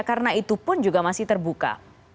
karena itu pun juga masih terbuka